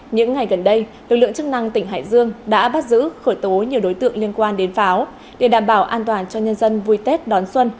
những ngày gần đây lực lượng chức năng tỉnh hải dương đã bắt giữ khởi tố nhiều đối tượng liên quan đến pháo để đảm bảo an toàn cho nhân dân vui tết đón xuân